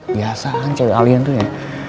biasa kan cari alien tuh ya